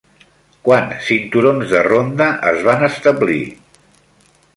Quants cinturons de ronda es van establir?